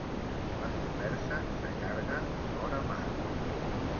La conversa s'allarga, vora mar.